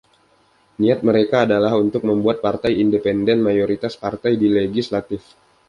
Niat mereka adalah untuk membuat partai independen mayoritas partai di legislatif.